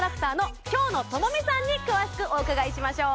さんに詳しくお伺いしましょう